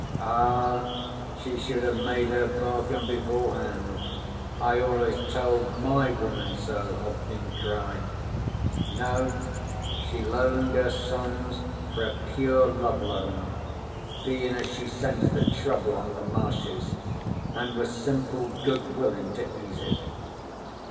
'Ah! She should ha' made her bargain beforehand. I allus told my woman so!' Hobden cried. 'No. She loaned her sons for a pure love loan, bein' as she sensed the Trouble on the Marshes, an' was simple good willin' to ease it.'